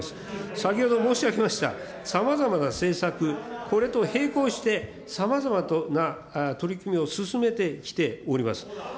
先ほど申し上げました、さまざまな政策、これと並行して、さまざまな取り組みを進めてきております。